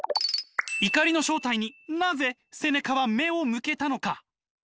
怒りの正体になぜセネカは目を向けたのか？